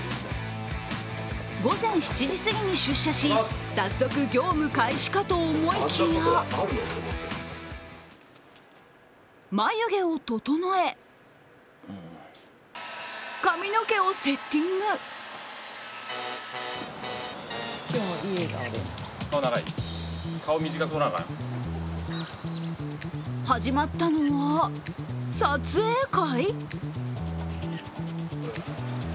午前７時すぎに出社し早速業務開始かと思いきや眉毛を整え、髪の毛をセッティング始まったのは、撮影会？